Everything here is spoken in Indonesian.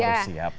tapi harus siap